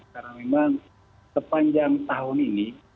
karena memang sepanjang tahun ini